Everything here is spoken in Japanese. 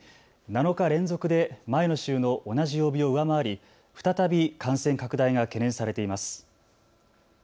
７日連続で前の週の同じ曜日を上回り再び感染拡大が懸念されています。